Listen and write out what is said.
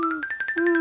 うん！